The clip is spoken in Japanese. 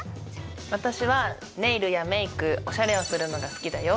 私はネイルやメイクおしゃれをするのが好きだよ